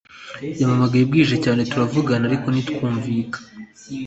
Yampamagaye bwije cyane turavugana ariko ntitwumvika